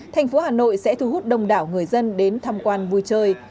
thành phố hà nội sẽ thu hút đông đảo người dân đến tham quan vui chơi